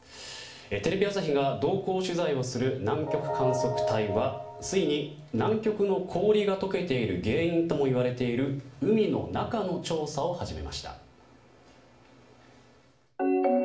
テレビ朝日が同行取材をする南極観測隊はついに、南極の氷が解けている原因ともいわれる海の中の調査を始めました。